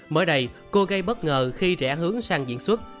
mới đây cô gây bất ngờ khi trẻ hướng sang diễn xuất